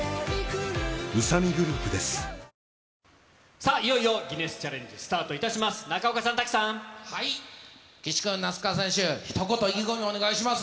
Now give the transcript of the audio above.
さあ、いよいよギネスチャレンジ、スタートいたします。